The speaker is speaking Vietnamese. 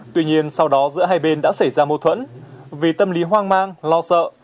tuy nhiên sau đó giữa hai bên đã xảy ra mâu thuẫn vì tâm lý hoang mang lo sợ